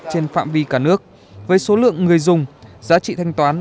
trên phạm vi cả nước với số lượng người dùng giá trị thanh toán